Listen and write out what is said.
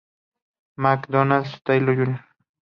Mac Donald Taylor Jr.